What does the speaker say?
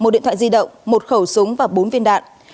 một điện thoại di động một khẩu súng và bốn viên đạn